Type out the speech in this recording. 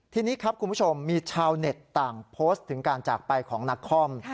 ทีนี้ครับคุณผู้ชมมีชาวเน็ตต่างโพสต์ถึงการจากไปของนักคอม